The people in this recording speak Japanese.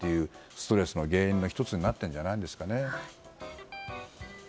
ストレスの原因の１つになってるんじゃないですかね。